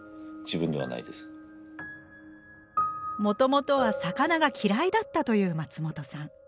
もともとは魚が嫌いだったという松本さん。